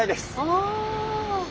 ああ。